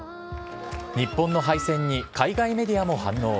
日本の敗戦に海外メディアも反応。